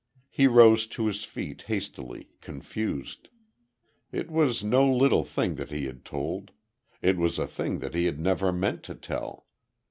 He rose to his feet, hastily, confused. It was no little thing that he had told; it was a thing that he had never meant to tell.